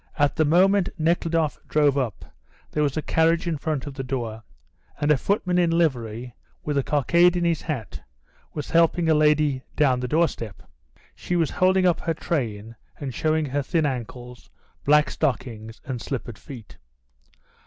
At the moment Nekhludoff drove up there was a carriage in front of the door, and a footman in livery, with a cockade in his hat, was helping a lady down the doorstep. She was holding up her train, and showing her thin ankles, black stockings, and slippered feet.